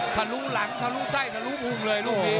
ทะลุหลังทะลุไส้ทะลุพุงเลยลูกนี้